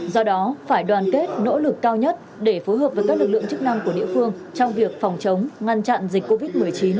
do đó phải đoàn kết nỗ lực cao nhất để phối hợp với các lực lượng chức năng của địa phương trong việc phòng chống ngăn chặn dịch covid một mươi chín